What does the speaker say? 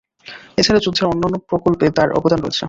এছাড়া যুদ্ধের অন্যান্য প্রকল্পে তার অবদান রয়েছে।